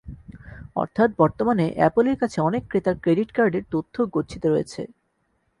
অর্থাত্, বর্তমানে অ্যাপলের কাছে অনেক ক্রেতার ক্রেডিট কার্ডের তথ্য গচ্ছিত রয়েছে।